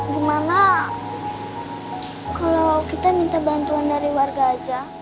gimana kalau kita minta bantuan dari warga aja